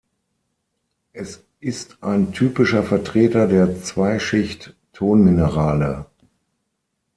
Es ist ein typischer Vertreter der Zweischicht-Tonminerale.